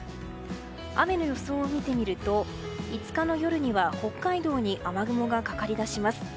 雨の予想を見てみると５日の夜には北海道に雨雲がかかり出します。